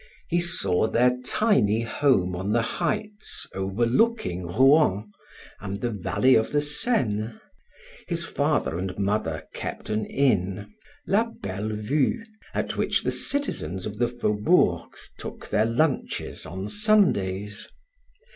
He saw their tiny home on the heights overlooking Rouen and the valley of the Seine. His father and mother kept an inn, La Belle Vue, at which the citizens of the faubourgs took their lunches on Sundays.